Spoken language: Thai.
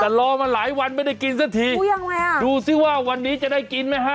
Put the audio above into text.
แต่รอมาหลายวันไม่ได้กินสักทีอุ้ยยังไงอ่ะดูสิว่าวันนี้จะได้กินไหมฮะ